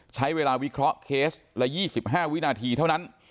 ใช้เวลาวิเคราะห์เคสละ๒๕วินาทีเท่านั้น